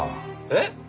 えっ！？